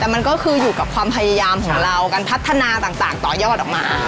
แต่มันก็คืออยู่กับความพยายามของเราการพัฒนาต่างต่อยอดออกมา